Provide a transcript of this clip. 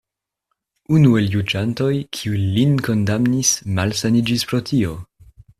Unu el juĝantoj, kiuj lin kondamnis, malsaniĝis pro tio.